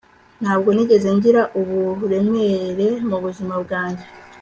Ntabwo nigeze ngira uburemere mubuzima bwanjye